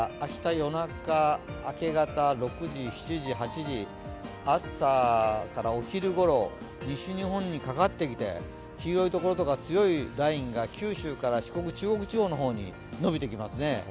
夜中、明け方６時、７時、８時朝からお昼ごろ西日本にかかってきて、黄色いところとか強いラインが九州から中国地方の方にのびてきますね。